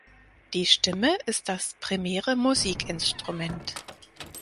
Die Stimme ist das primäre Musikinstrument.